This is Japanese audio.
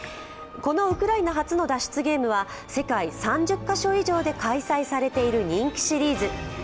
このウクライナ発の脱出ゲームは世界３０カ所以上で開催されている人気シリーズ。